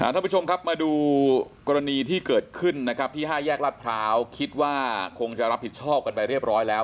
ท่านผู้ชมครับมาดูกรณีที่เกิดขึ้นนะครับที่๕แยกรัฐพร้าวคิดว่าคงจะรับผิดชอบกันไปเรียบร้อยแล้ว